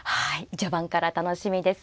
序盤から楽しみです。